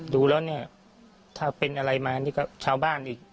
ดูแล้วเนี่ยถ้าเป็นอะไรมานี่ก็ชาวบ้านอีก